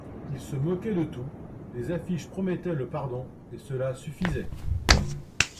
Il se moquait de tout, les affiches promettaient le pardon, et cela suffisait.